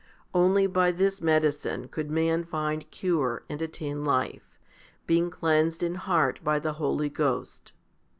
Only by this medicine could man find cure and attain life, being cleansed in heart by the Holy Ghost.